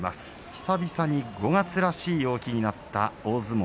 久々に５月らしい陽気になった大相撲